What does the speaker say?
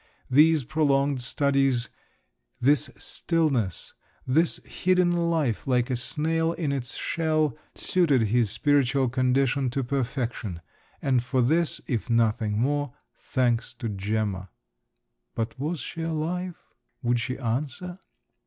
These prolonged studies, this stillness, this hidden life, like a snail in its shell, suited his spiritual condition to perfection; and for this, if nothing more, thanks to Gemma! But was she alive? Would she answer?